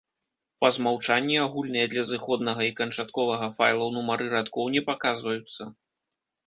Па змаўчанні, агульныя для зыходнага і канчатковага файлаў нумары радкоў не паказваюцца.